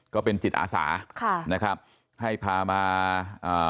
ก็เป็นจิตอาสาค่ะนะครับให้พามาอ่า